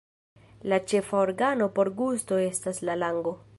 La ĉefa organo por gusto estas la lango.